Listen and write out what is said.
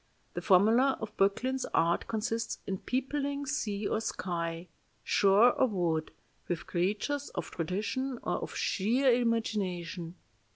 The formula of Böcklin's art consists in peopling sea or sky, shore or wood, with creatures of tradition or of sheer imagination.